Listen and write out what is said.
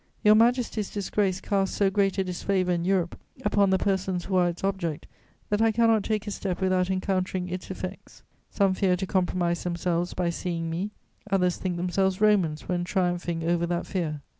Your Majesty's disgrace casts so great a disfavour in Europe upon the persons who are its object, that I cannot take a step without encountering its effects. Some fear to compromise themselves by seeing me, others think themselves Romans when triumphing over that fear.